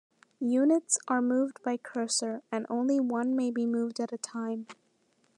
Units are moved by cursor, and only one may be moved at a time.